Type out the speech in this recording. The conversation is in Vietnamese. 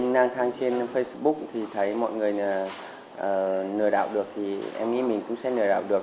ngang thang trên facebook thì thấy mọi người lừa đảo được thì em nghĩ mình cũng sẽ lừa đảo được